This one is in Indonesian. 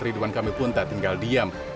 ridwan kamil pun tak tinggal diam